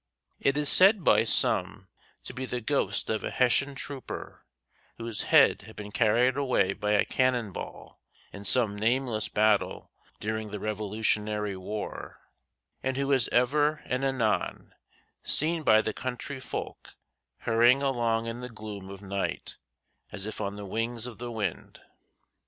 It is said by some to be the ghost of a Hessian trooper whose head had been carried away by a cannonball in some nameless battle during the Revolutionary War, and who is ever and anon seen by the country folk hurrying along in the gloom of night as if on the wings of the wind.